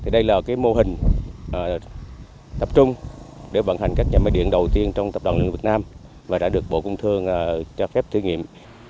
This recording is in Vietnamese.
đây là mô hình tập trung để vận hành các nhà máy điện đầu tiên trong tập đoàn điện lực việt nam và đã được bộ công thương cho phép thử nghiệm